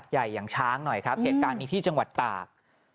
อย่างช้างหน่อยครับเหตุการณ์นี้ที่จังหวัดตาก